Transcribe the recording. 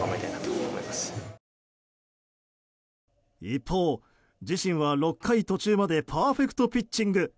一方、自身は６回途中までパーフェクトピッチング。